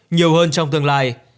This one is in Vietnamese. nhiều hơn trong tương lai